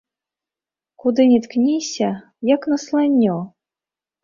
Куды ні ткніся, як насланнё.